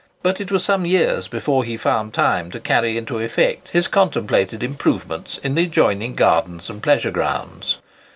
But it was some years before he found time to carry into effect his contemplated improvements in the adjoining gardens and pleasure grounds.